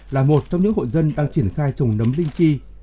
là một trong những hội dân đang triển khai trồng nấm ninh chi